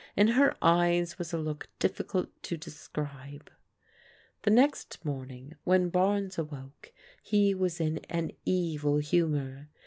In her eyes was a look difficult to describe. The next morning when Barnes awoke he was in an evil humour.